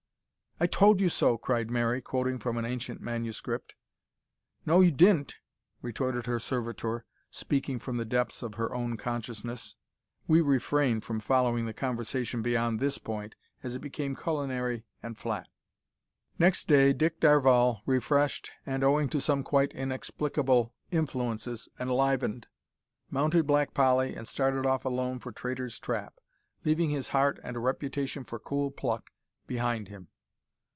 "I told you so!" cried Mary, quoting from an ancient Manuscript. "No, you di'n't," retorted her servitor, speaking from the depths of her own consciousness. We refrain from following the conversation beyond this point, as it became culinary and flat. Next day Dick Darvall, refreshed and, owing to some quite inexplicable influences, enlivened mounted Black Polly and started off alone for Traitor's Trap, leaving his heart and a reputation for cool pluck behind him.